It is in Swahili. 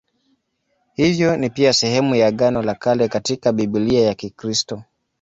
Hivyo ni pia sehemu ya Agano la Kale katika Biblia ya Kikristo.